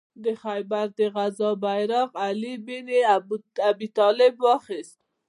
د خیبر د غزا بیرغ علي ابن ابي طالب واخیست.